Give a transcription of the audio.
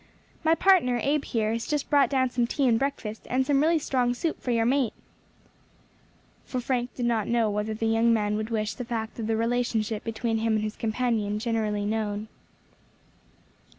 "My partner, Abe, here, has just brought us down some tea and breakfast, and some really strong soup for your mate." For Frank did not know whether the young man would wish the fact of the relationship between him and his companion generally known.